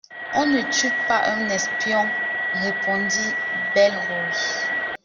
On ne tue pas un espion, répondit Belle-Rose.